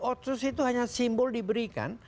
otsus itu hanya simbol diberikan